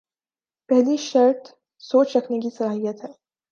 پہلی شرط سوچ رکھنے کی صلاحیت ہے۔